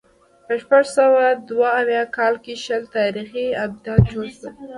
په شپږ سوه دوه اویا کال کې شل تاریخي آبدات جوړ شول